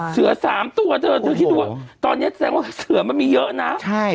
เสือสามตัวเธอเธอคิดดูว่าตอนนี้แสดงว่าเสือมันมีเยอะนะใช่